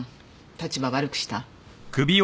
立場悪くした？